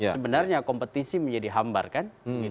sebenarnya kompetisi menjadi hambar kan